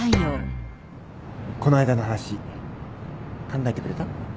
この間の話考えてくれた？